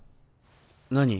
何？